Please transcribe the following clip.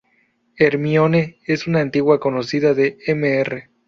Hermione: Es una antigua conocida de Mr.